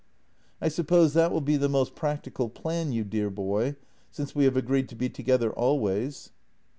" I suppose that will be the most practical plan, you dear boy, since we have agreed to be together always."